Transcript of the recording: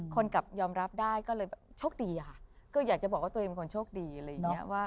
กลับยอมรับได้ก็เลยแบบโชคดีอะค่ะก็อยากจะบอกว่าตัวเองเป็นคนโชคดีอะไรอย่างนี้